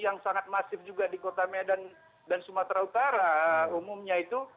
yang sangat masif juga di kota medan dan sumatera utara umumnya itu